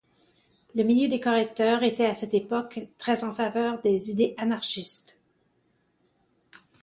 Le milieu des correcteurs était à cette époque très en faveur des idées anarchistes.